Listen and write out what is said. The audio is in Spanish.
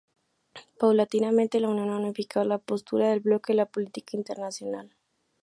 Paulatinamente la Unión ha unificado la postura del bloque en la política internacional.